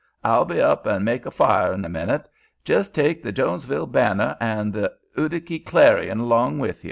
I'll be up and make on a fire in a minute. Jis' take th' Jonesville Banner an' th' Uticky Clarion along with ye."